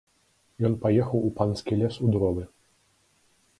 Ён паехаў у панскі лес у дровы.